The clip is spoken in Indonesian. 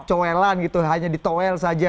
coelan gitu hanya ditowel saja